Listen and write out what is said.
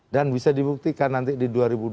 dan bisa dibuktikan nanti di dua ribu dua puluh empat